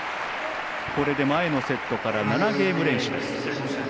これで前のセットから７ゲーム連取です。